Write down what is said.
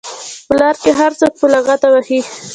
په لار کې هر څوک په لغته وهي.